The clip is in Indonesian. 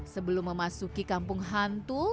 sebelum memasuki kampung hantu